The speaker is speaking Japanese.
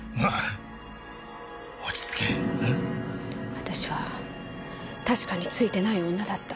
私は確かにツイてない女だった。